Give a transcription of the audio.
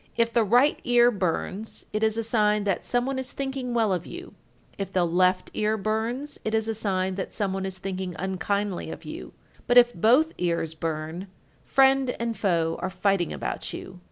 1344. If the right ear burns, it is a sign that some one is thinking well of you; if the left ear burns, it is a sign that some one is thinking unkindly of you; but if both ears burn, friend and foe are fighting about you.